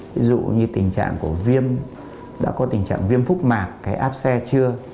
ví dụ như tình trạng của viêm đã có tình trạng viêm phúc mạc cái áp xe chưa